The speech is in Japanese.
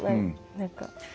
何か。